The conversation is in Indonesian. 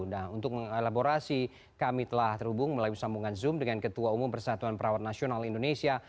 nah untuk mengelaborasi kami telah terhubung melalui sambungan zoom dengan ketua umum persatuan perawat nasional indonesia